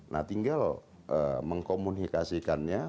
nah tinggal mengkomunikasikannya